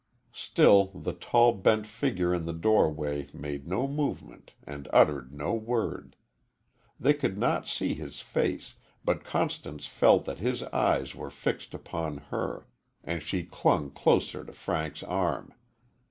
Still the tall bent figure in the doorway made no movement and uttered no word. They could not see his face, but Constance felt that his eyes were fixed upon her, and she clung closer to Frank's arm.